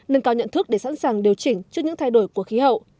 nâng cao nhận thức để sẵn sàng điều chỉnh trước những thay đổi của khí hậu